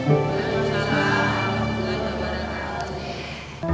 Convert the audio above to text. waalaikumsalam warahmatullahi wabarakatuh